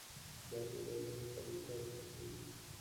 دا په اداري او حسابي چارو کې کیږي.